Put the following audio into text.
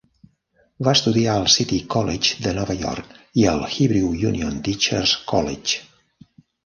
Va estudiar al City College de Nova York i al Hebrew Union Teachers College.